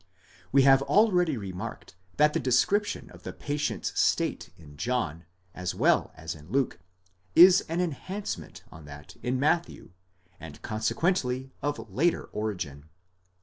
We have already remarked, that the description of the patient's state in John, as well as in Luke, is an enhancement on that in Matthew, and consequently of later origin.